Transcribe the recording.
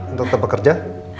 untuk tetap bekerja